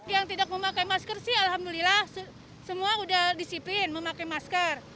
yang tidak memakai masker sih alhamdulillah semua udah disiplin memakai masker